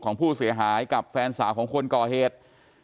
ของผู้เสียหายกับแฟนสาวของคนก่อเหตุ